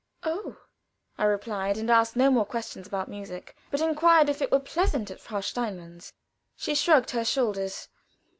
"Oh!" I replied, and asked no more questions about music; but inquired if it were pleasant at Frau Steinmann's. She shrugged her shoulders.